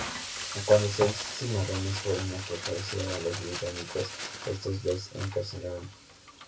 Cuando seis cimarrones fueron a quejarse a los británicos, estos los encarcelaron.